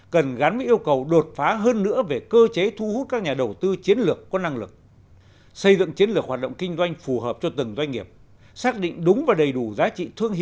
cần gắn với yêu cầu đột phá hơn nữa về cơ chế thu hút các nhà đầu tư chiến lược có năng lực